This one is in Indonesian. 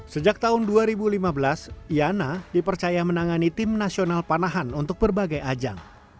sejak tahun dua ribu lima belas yana dipercaya menangani tim nasional panahan untuk berbagai ajang